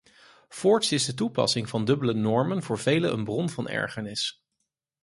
Voorts is de toepassing van dubbele normen voor velen een bron van ergernis.